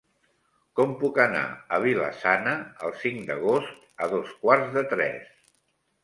Com puc anar a Vila-sana el cinc d'agost a dos quarts de tres?